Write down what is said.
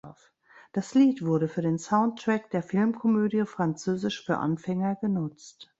Das Lied wurde für den Soundtrack der Filmkomödie "Französisch für Anfänger" genutzt.